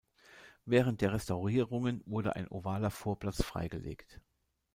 Während der Restaurierungen wurde ein ovaler Vorplatz freigelegt.